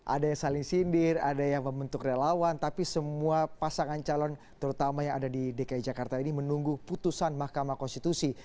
ada yang saling sindir ada yang membentuk relawan tapi semua pasangan calon terutama yang ada di dki jakarta ini menunggu putusan mahkamah konstitusi